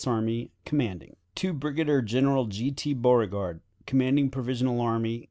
Army, commanding_. "To Brigadier General G. T. Beauregard, "_Commanding Provisional Army, C.